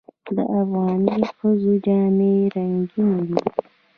د افغاني ښځو جامې رنګینې دي.